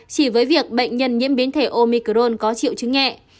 chỉ với việc bệnh nhân nhiễm biến thể omicron có triệu chứng nhẹ